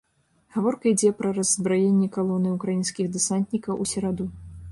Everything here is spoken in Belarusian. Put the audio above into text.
Гаворка ідзе пра раззбраенне калоны ўкраінскіх дэсантнікаў у сераду.